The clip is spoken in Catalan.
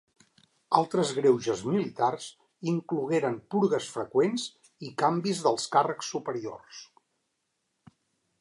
Altres greuges militars inclogueren purgues freqüents i canvis dels càrrecs superiors.